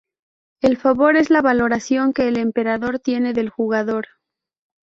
El favor es la valoración que el Emperador tiene del jugador.